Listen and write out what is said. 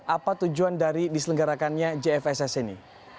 apa tujuan dari diselenggarakannya jfs seni